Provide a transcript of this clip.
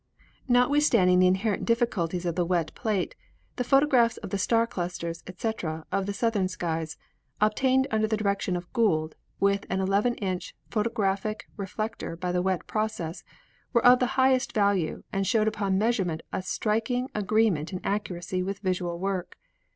"Notwith standing the inherent difficulties of the wet plate, the pho tographs of the star clusters, etc., of the southern skies, obtained under the direction of Gould with an 11 inch pho tographic refractor by the wet process, were of the high est value and showed upon measurement a striking agree ment in accuracy with visual work.